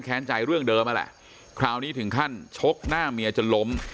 ใจเรื่องเดิมนั่นแหละคราวนี้ถึงขั้นชกหน้าเมียจนล้ม